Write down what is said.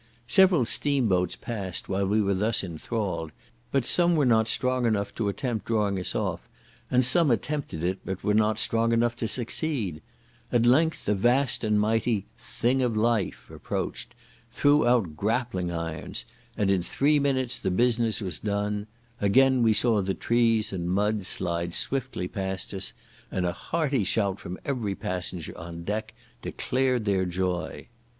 Several steam boats passed while we were thus enthralled; but some were not strong enough to attempt drawing us off, and some attempted it, but were not strong enough to succeed; at length a vast and mighty "thing of life" approached, threw out grappling irons; and in three minutes the business was done; again we saw the trees and mud slide swiftly past us; and a hearty shout from every passenger on deck declared their joy.